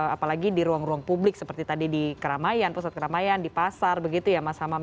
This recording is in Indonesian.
apalagi di ruang ruang publik seperti tadi di keramaian pusat keramaian di pasar begitu ya mas hamam